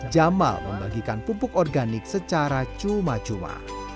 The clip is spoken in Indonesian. jamal membagikan pupuk organik secara cuma cuma